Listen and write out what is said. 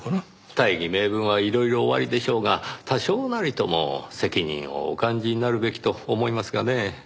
大義名分はいろいろおありでしょうが多少なりとも責任をお感じになるべきと思いますがねぇ。